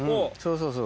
そうそう。